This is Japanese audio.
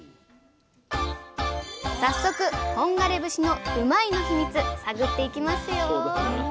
早速本枯節のうまいッ！のヒミツ探っていきますよ！